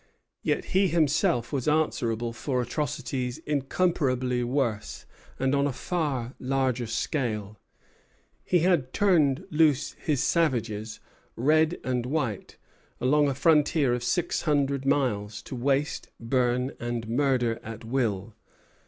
Yet he himself was answerable for atrocities incomparably worse, and on a far larger scale. He had turned loose his savages, red and white, along a frontier of six hundred miles, to waste, burn, and murder at will.